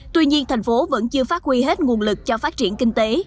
tuy nhiên thành phố vẫn chưa phát huy hết nguồn lực cho phát triển kinh tế